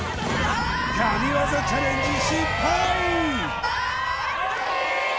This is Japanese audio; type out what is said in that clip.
神業チャレンジ失敗あっ！